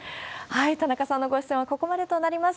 田中さんのご出演はここまでとなります。